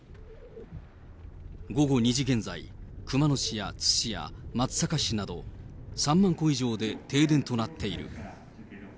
午後２時現在、熊野市や津市や松阪市など、３万戸以上で停電となっている。